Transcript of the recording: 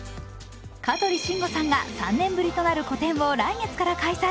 香取慎吾さんが３年ぶりとなる個展を来月から開催。